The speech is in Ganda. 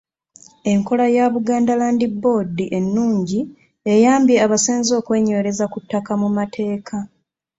Enkola ya Buganda Land Board ennungi eyambye abasenze okwenywereza ku ttaka mu mateeka.